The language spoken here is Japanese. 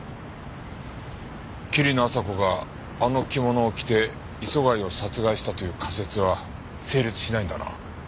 桐野朝子があの着物を着て磯貝を殺害したという仮説は成立しないんだな。